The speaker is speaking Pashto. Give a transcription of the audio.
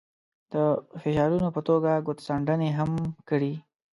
د فشارونو په توګه ګوتڅنډنې هم کړي.